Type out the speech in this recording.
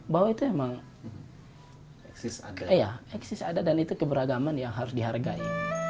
bahwa itu emang eksis ada dan itu keberagaman yang harus dihargai